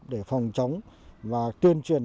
để phòng chống và tuyên truyền